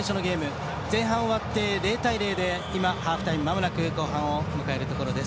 前半終わって０対０でハーフタイム、まもなく後半を迎えるところです。